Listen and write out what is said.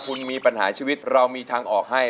คุณมีปัญหาชีวิตเรามีทางออกให้